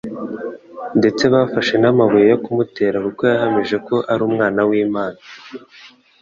ndetse bafashe n'amabuye yo kumutera kuko yahamije ko ari Umwana w'Imana.